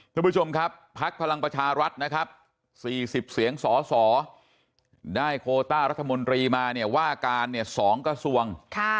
คุณผู้ชมครับพักพลังประชารัฐนะครับ๔๐เสียงสสได้โคต้ารัฐมนตรีมาเนี่ยว่าการเนี่ย๒กระทรวง